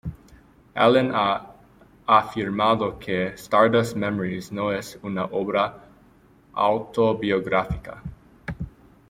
Allen ha afirmado que "Stardust Memories" no es una obra autobiográfica.